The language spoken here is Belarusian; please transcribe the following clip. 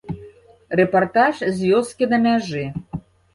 Рэпартаж з вёскі на мяжы.